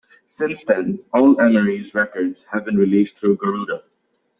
Since then all Emery's records have been released through Garuda.